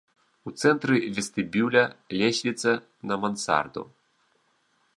У цэнтры вестыбюля лесвіца на мансарду.